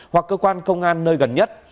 hoặc cơ quan công an nơi gần nhất